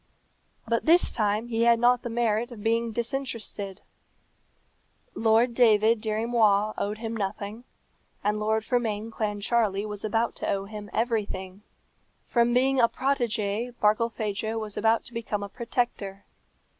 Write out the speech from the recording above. But this time he had not the merit of being disinterested. Lord David Dirry Moir owed him nothing, and Lord Fermain Clancharlie was about to owe him everything. From being a protégé Barkilphedro was about to become a protector.